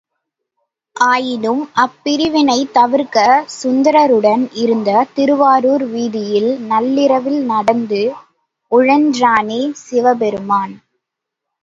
ஆயினும் அப்பிரிவினைத் தவிர்க்க சுந்தரருடன் இருந்த திருவாரூர் வீதியில் நள்ளிரவில் நடந்து உழன்றானே சிவபெருமான்!